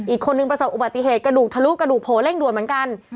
อีกคนนึงประสบอุบัติเหตุกระดูกทะลุกระดูกโผล่เร่งด่วนเหมือนกัน